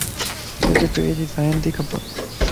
توجي پيءَ جي سائن تي کپ